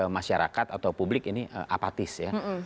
masyarakat atau publik ini apatis ya